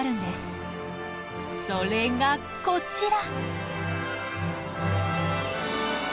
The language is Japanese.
それがこちら！